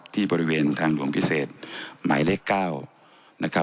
ที่บริเวณทางด่วนพิเศษหมายเลข๙